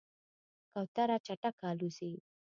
کوتره چټکه الوزي.